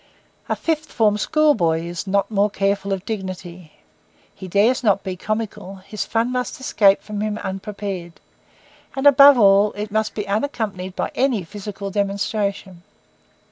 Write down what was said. A fifth form schoolboy is not more careful of dignity. He dares not be comical; his fun must escape from him unprepared, and above all, it must be unaccompanied by any physical demonstration.